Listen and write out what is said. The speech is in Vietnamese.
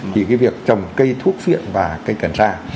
là cái việc trồng cây thuốc viết và cây cần sa